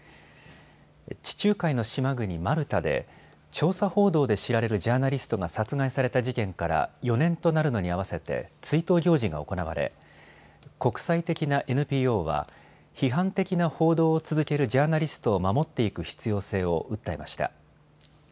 地中海の島国マルタで調査報道で知られるジャーナリストが殺害された事件から４年となるのに合わせて追悼行事が行われ国際的なＮＰＯは、批判的な報道を続けるジャーナリストを守っていく必要性を訴えました。